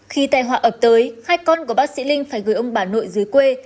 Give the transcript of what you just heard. khi tài họa ập tới hai con của bác sĩ linh phải gửi ông bà nội dưới quê